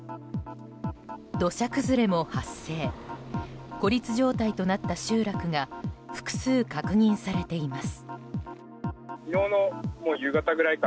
土砂崩れも発生孤立状態となった集落が複数確認されています。